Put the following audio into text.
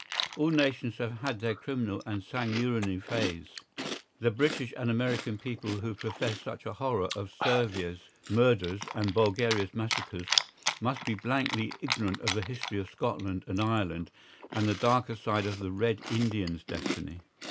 All nations have had their criminal and sanguinary phase; the British and American people who profess such a horror of Servia's murders and Bulgaria's massacres must be blankly ignorant of the history of Scotland and Ireland and the darker side of the Red Indians' destiny.